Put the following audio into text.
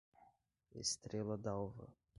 Estrela Dalva